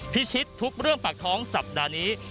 พิชิตทุกเรื่องปากท้องสัปดาห์นี้